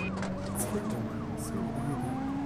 Ttxil-m, ssiwel yid-i.